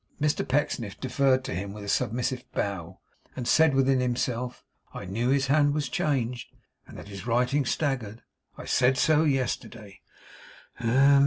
Mr Pecksniff deferred to him with a submissive bow; and said within himself, 'I knew his hand was changed, and that his writing staggered. I said so yesterday.